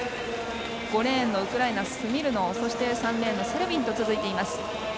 ５レーンのウクライナ、スミルノウそして３レーンのセルビンと続いています。